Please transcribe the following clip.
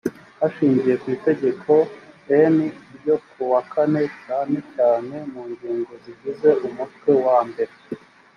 hashingiwe ku itegeko n ryo ku wa kane cyane cyane mu ngingo zigize umutwe wa mbere